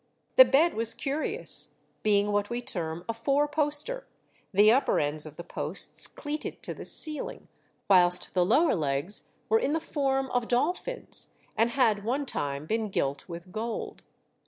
The bed was curious, being what we term a four poster, the upper ends of the posts cleated to the ceiHng, whilst the lower legs were in the form of dol phins, and had one time been gilt with gold.